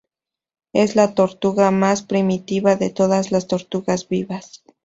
Es la tortuga más primitiva de todas las tortugas vivas.